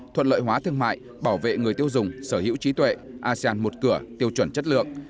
thuận lợi hóa thương mại bảo vệ người tiêu dùng sở hữu trí tuệ asean một cửa tiêu chuẩn chất lượng